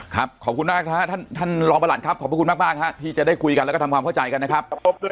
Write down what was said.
ขอบคุณมากนะครับท่านรองประหลัดครับขอบพระคุณมากฮะที่จะได้คุยกันแล้วก็ทำความเข้าใจกันนะครับ